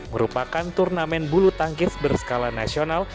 merupakan turnamen bulu tangkis berskala nasional